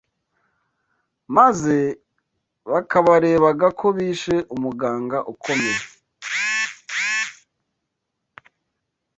maze bakabarega ko bishe Umuganga Ukomeye